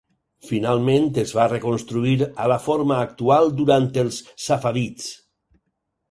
Finalment, es va reconstruir a la forma actual durant els safavids.